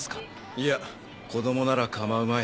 いや子供なら構うまい。